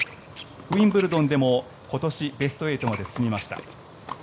ウィンブルドンでも今年ベスト８まで進みました。